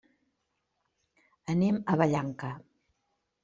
Anem a Vallanca.